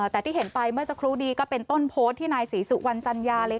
แต่ที่เห็นไปเมื่อสักครู่นี้ก็เป็นต้นโพสต์ที่นายศรีสุวรรณจัญญาเลย